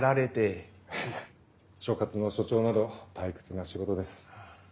いえ所轄の署長など退屈な仕事です。